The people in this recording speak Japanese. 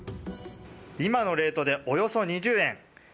今のレートでおよそ２０円。